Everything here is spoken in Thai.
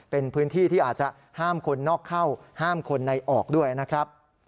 เป็นพื้นที่ที่อาจจะห้ามคนนอกเข้าห้ามคนในออกด้วยนะครับ